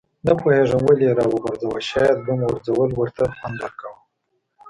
نه پوهېږم ولې یې راوغورځاوه، شاید بم غورځول ورته خوند ورکاوه.